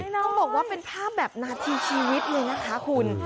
ต้องบอกว่าเป็นภาพแบบนาทีชีวิตเลยนะคะคุณ